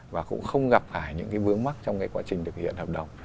và cũng không gặp phải những cái vướng mắc trong cái quá trình thực hiện hợp đồng